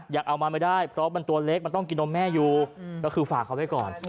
ยังเอามาไม่ได้เพราะมันตัวเล็กมันต้องกินนมแม่อยู่ก็คือฝากเขาไว้ก่อน